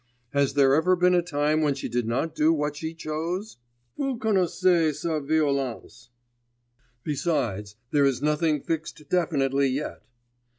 Has there ever been a time when she did not do what she chose? Vous connaissez sa violence! Besides, there is nothing fixed definitely yet.